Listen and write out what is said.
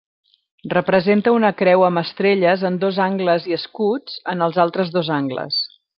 Representa una creu amb estrelles en dos angles i escuts en els altres dos angles.